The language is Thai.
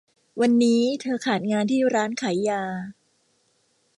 วันนี้เธอขาดงานที่ร้านขายยา